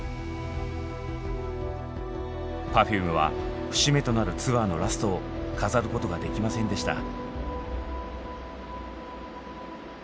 Ｐｅｒｆｕｍｅは節目となるツアーのラストを飾ることができませんでした。